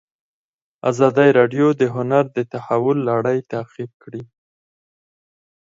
ازادي راډیو د هنر د تحول لړۍ تعقیب کړې.